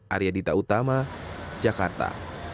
arya dita utama jakarta